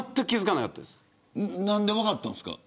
なんで分かったんですか。